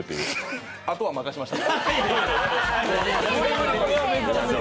あとは任せました。